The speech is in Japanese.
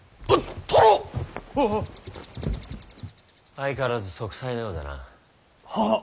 相変わらず息災のようだな。ははっ。